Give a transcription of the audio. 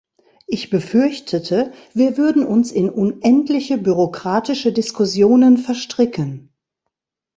Ich befürchtete, wir würden uns in unendliche bürokratische Diskussionen verstricken.